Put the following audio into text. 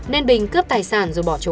nên bình cướp tài sản rồi bỏ trốn